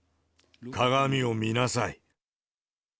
鏡を見なさい。